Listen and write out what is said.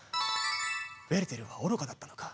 ウェルテルは愚かだったのか。